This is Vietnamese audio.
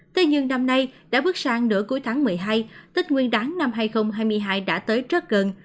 tuy nhiên năm nay đã bước sang nửa cuối tháng một mươi hai tết nguyên đán năm hai nghìn hai mươi hai đã tới rất gần